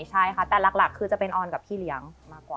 ใช่ค่ะแต่หลักคือจะเป็นออนกับพี่เลี้ยงมากกว่า